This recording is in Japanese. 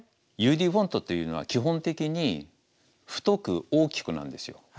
ＵＤフォントというのは基本的に太く大きくなんですよ。